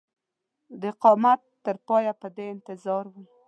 د اقامت تر پایه په دې انتظار وم.